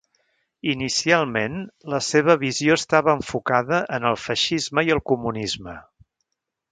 Inicialment, la seva visió estava enfocada en el feixisme i el comunisme.